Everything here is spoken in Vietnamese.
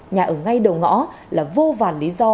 nhà ở ngay đầu ngõ là vô vàn lý do